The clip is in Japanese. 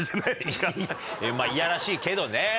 まぁいやらしいけどね。